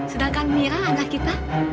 sedangkan mira anak kita